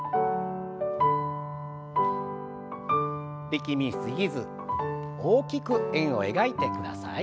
力み過ぎず大きく円を描いてください。